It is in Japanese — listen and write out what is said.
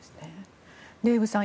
デーブさん